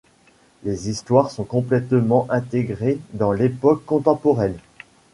Les histoires sont complètement intégrées dans l'époque contemporaine.